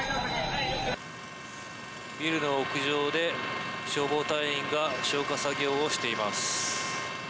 ビルの屋上で、消防隊員が消火作業をしています。